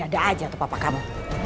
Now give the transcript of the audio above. ada aja tuh papa kamu